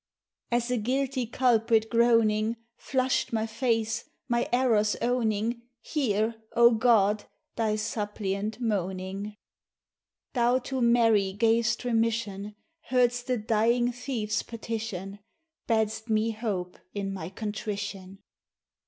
As a guilty culprit groaning, Flushed my face, my errors owning, Hear. O God, Thy suppliant moaning! Thou to Mary gav'st remission, Heard'st the dying thief's petition, Bad'st me hope in my contrition.